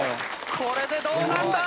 「これでどうなんだ？」